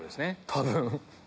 多分。